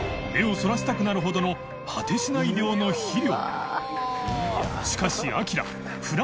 稾椶そらしたくなるほどの果てしない量の肥料磴靴アキラ